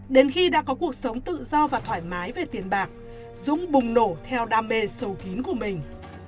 đến khi đã có cuộc sống tự do và thoải mái về tiền bạc dũng bùng nổ theo đam mê sâu kín của mình